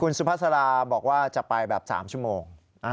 สุภาษาลาบอกว่าจะไปแบบ๓ชั่วโมง